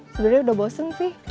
sebenarnya udah bosen sih